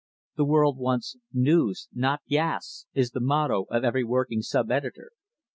The world wants news, not "gas," is the motto of every working sub editor.